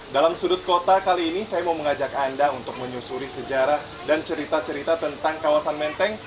dalam sudut kota kali ini saya mau mengajak anda untuk menyusuri sejarah dan cerita cerita tentang kawasan menteng